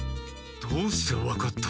どうして分かった？